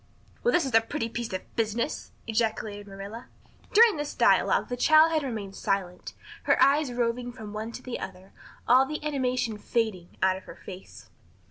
"Well, this is a pretty piece of business!" ejaculated Marilla. During this dialogue the child had remained silent, her eyes roving from one to the other, all the animation fading out of her face.